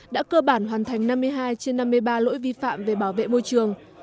đã cơ bản hoàn thành năm mươi hai trên năm mươi ba lỗi vi phạm về bảo vệ môi trường